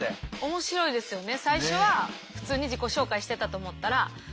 面白いですよね。